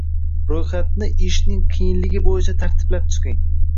Ro’yxatni ishning qiyinligi bo’yicha tartiblab chiqing